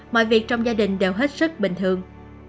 mọi việc trong gia đình đều hết sức bình thường